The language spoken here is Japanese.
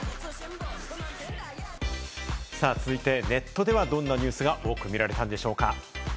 続いてネットではどんなニュースが多く見られたんでしょうか？